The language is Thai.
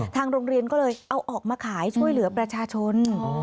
ทางโรงเรียนก็เลยเอาออกมาขายช่วยเหลือประชาชน